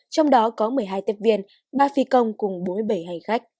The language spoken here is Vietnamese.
trong đó có một mươi hai tiếp viên ba phi công cùng bốn mươi bảy hành khách